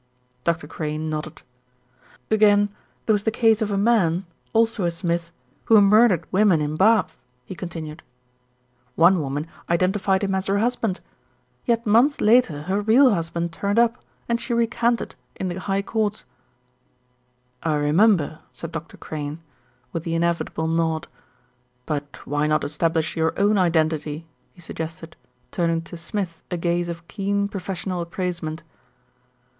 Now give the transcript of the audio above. Dr. Crane nodded. "Again there was the case of a man, also a Smith, who murdered women in baths," he continued. "One 68 THE RETURN OF ALFRED woman identified him as her husband; yet months later her real husband turned up and she recanted in the High Courts." "I remember," said Dr. Crane, with the inevitable nod. "But why not establish your own identity?" he suggested, turning to Smith a gaze of keen professional appraisement.